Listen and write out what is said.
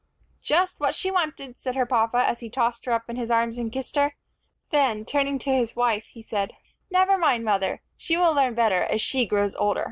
"Just what she wanted," said her papa, as he tossed her up in his arms and kissed her. Then, turning to his wife, he said, "Never mind, mother, she will learn better as she grows older."